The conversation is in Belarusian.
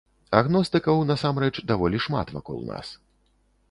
Агностыкаў, насамрэч, даволі шмат вакол нас.